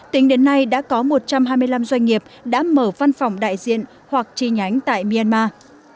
tính đến nay đã có một trăm hai mươi năm doanh nghiệp đã mở văn phòng đại diện hoặc chi nhánh tại myanmar